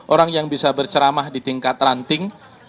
orang yang bisa berceramah di tingkat ranting